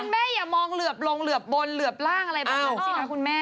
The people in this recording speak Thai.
เหลือบล่างบนอะไรขนาดนี้นะคุณแม่